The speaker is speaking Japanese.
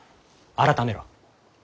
改めろ。